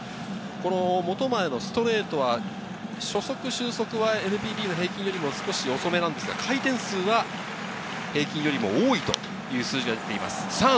本前のストレートは、初速、終速はＮＰＢの平均よりも少し遅めですが、回転数は平均よりも多い数字が出ています。